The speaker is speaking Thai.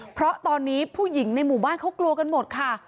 เพราะตอนนี้ผู้หญิงในหมู่บ้านเขากลัวกันหมดค่ะ